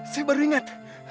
saya baru ingat